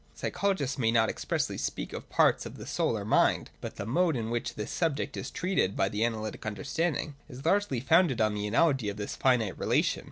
Psycho logists may not expressly speak of parts of the soul or mind, but the mode in which this subject is treated by the analytic understanding is largely founded on the analogy of this finite relation.